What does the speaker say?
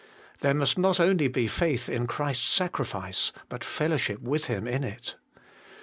There must not only be faith in Christ's sacrifice, but fellowship with Him in it.